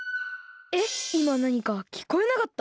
えっ！